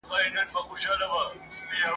چرمګرته چي یې هرڅومره ویله ..